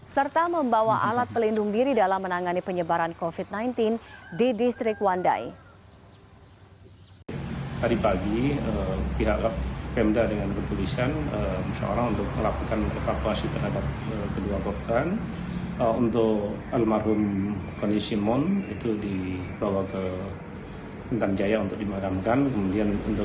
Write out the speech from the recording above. serta membawa alat pelindung diri dalam menangani penyebaran covid sembilan belas di distrik wandai